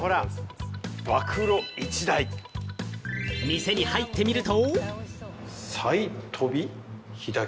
店に入ってみると。